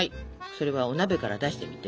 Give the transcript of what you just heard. それはお鍋から出してみて。